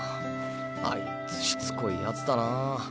あいつしつこい奴だなぁ。